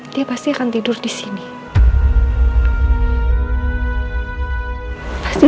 dia pasti akan tidur disini